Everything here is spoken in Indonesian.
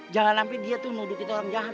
jangan sampai dia tuh nuduh kita orang jahat